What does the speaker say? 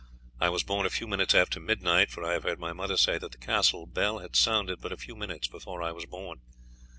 I was born a few minutes after midnight, for I have heard my mother say that the castle bell had sounded but a few minutes before I was born.